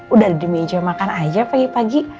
udah di meja makan aja pagi pagi